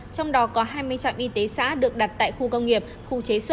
trong đó có hai mươi trạm y tế xã được đặt tại khu cơ sở